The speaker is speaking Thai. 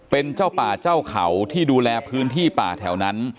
เป็นเจ้าป่าเจ้าเขาที่ดูแลพื้นที่ป่าแถวนั้น